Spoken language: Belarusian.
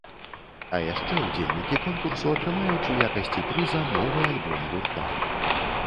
А яшчэ ўдзельнікі конкурсу атрымаюць у якасці прыза новы альбом гурта.